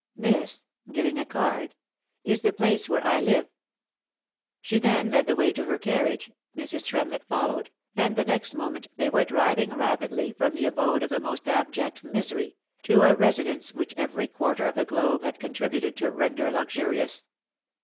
This," giving a card, " is the place where I live." '/^v/ .' ^/fV7/ ■^Wr/y/^'/ ./'//>/ ,y'/> /■///:///</,'//"■; OF MICHAEL ARMSTRONG. 137 She then led the way to her carriage, Mrs. Tremlett followed, and the next moment they were driving rapidly from the abode of the most abject misery, to a residence which every quarter of the globe had con tributed to render luxurious.